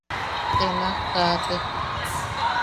Te naj kaate.